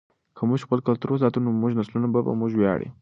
که موږ خپل کلتور وساتو نو زموږ نسلونه به په موږ ویاړي.